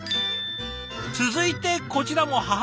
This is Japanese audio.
続いてこちらも母弁。